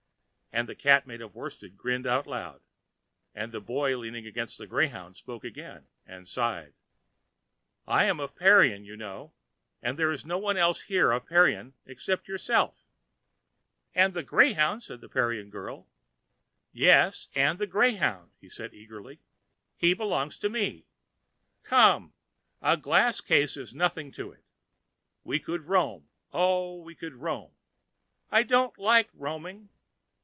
and the Cat made of worsted grinned out loud. The Boy leaning against a greyhound spoke again, and sighed: "I am of Parian, you know, and there is no one else here of Parian except yourself." "And the greyhound," said the Parian girl.[Pg 751] "Yes, and the greyhound," said he eagerly. "He belongs to me. Come, a glass case is nothing to it. We could roam; oh, we could roam!" "I don't like roaming."